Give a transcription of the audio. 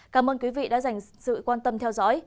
cảm ơn quý vị đã dành sự quan tâm theo dõi